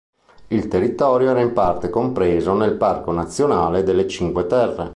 Il territorio era in parte compreso nel Parco Nazionale delle Cinque Terre.